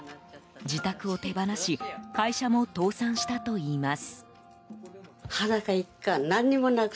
自宅を手放し会社も倒産したといいます。